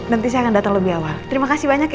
nanti saya akan datang lebih awal terimakasih banyak ya